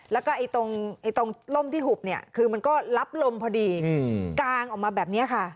แล้วก็ตรงล่มที่หุบเนี่ยคือมันก็รับลมพอดีกางออกมาแบบนี้ค่ะ